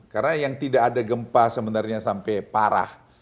karena yang tidak ada gempa sebenarnya sampai parah